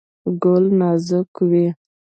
ګل نازک وي.